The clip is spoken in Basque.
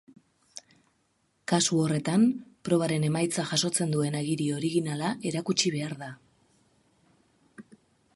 Kasu horretan, probaren emaitza jasotzen duen agiri originala erakutsi behar da.